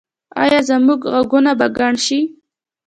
ایا زما غوږونه به کڼ شي؟